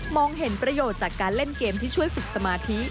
เห็นประโยชน์จากการเล่นเกมที่ช่วยฝึกสมาธิ